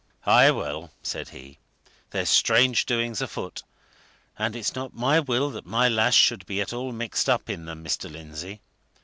"Aye, well!" said he. "There's strange doings afoot, and it's not my will that my lass should be at all mixed up in them, Mr. Lindsey!